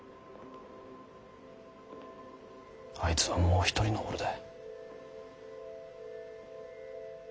あいつはもう一人の俺だ。